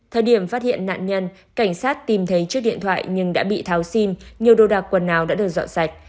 thời điểm phát hiện nạn nhân cảnh sát tìm thấy chiếc điện thoại nhưng đã bị tháo xin nhiều đồ đạc quần áo đã được dọn sạch